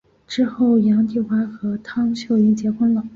之后杨棣华和汤秀云结婚了。